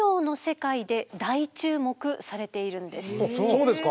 そうですか。